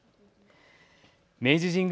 明治神宮